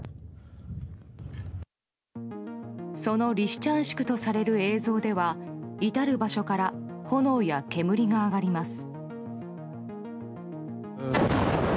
そのリシチャンシクとされる映像では至る場所から炎や煙が上がります。